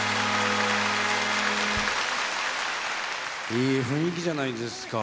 いい雰囲気じゃないですか。